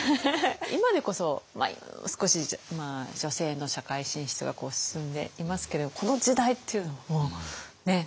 今でこそ少し女性の社会進出が進んでいますけれどこの時代っていうのはもうものすごい。